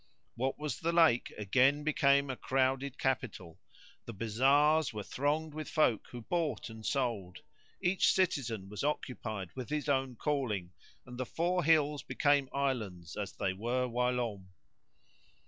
What was the lake again became a crowded capital; the bazars were thronged with folk who bought and sold; each citizen was occupied with his own calling and the four hills became islands as they were whilome.